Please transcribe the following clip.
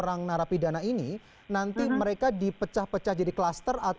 orang narapidana ini nanti mereka dipecah pecah jadi klaster